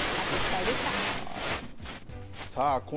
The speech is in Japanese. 発掘隊でした。